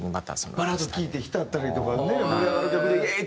バラード聴いて浸ったりとかね盛り上がる曲でイエーイ！